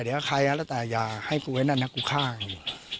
เดี๋ยวใครก็แล้วแต่อย่าให้กูไอ้นั่นนะกูฆ่าไง